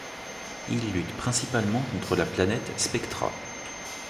Ils luttent principalement contre la planète Spectra.